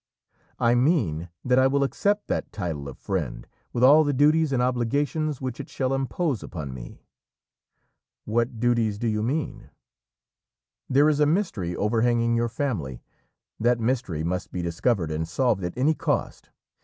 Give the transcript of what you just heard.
"I mean that I will accept that title of friend with all the duties and obligations which it shall impose upon me." "What duties do you mean?" "There is a mystery overhanging your family; that mystery must be discovered and solved at any cost.